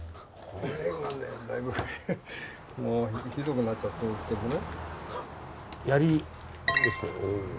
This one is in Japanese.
もうひどくなっちゃってるんですけどね。